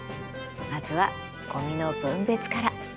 まずはごみの分別から。